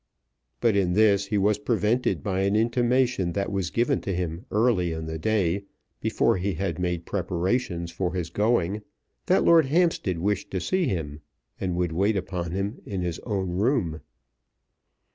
But in this he was prevented by an intimation that was given to him early in the day, before he had made preparations for his going, that Lord Hampstead wished to see him, and would wait upon him in his own room.